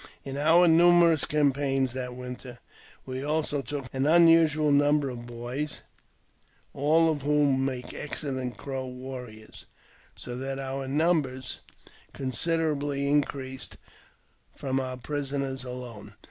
In our numerous campaigns that winter we also took an unusual number of boys, all of whom make excellent Crow warriors, so that our numbers considerably increased from our prisoners alone.